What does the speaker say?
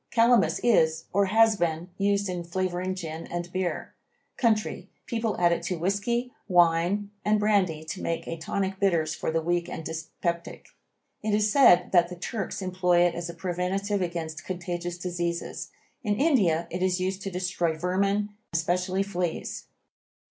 Calamus is, or has been, used in flavoring beer and gin. Country, people add it to whisky, wine and brandy to make a tonic bitters for the weak and dyspeptic. It is said that the Turks employ it as a preventive against contagious diseases. In India it is used to destroy vermin, especially fleas.